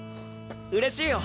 うれしいよ。